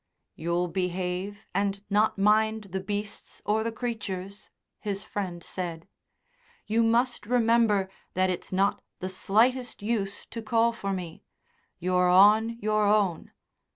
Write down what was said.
"You'll behave, and not mind the beasts or the creatures?" his friend said. "You must remember that it's not the slightest use to call for me. You're on your own.